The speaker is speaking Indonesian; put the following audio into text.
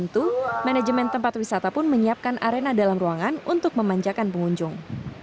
untuk manajemen tempat wisata pun menyiapkan arena dalam ruangan untuk memanjakan pengunjung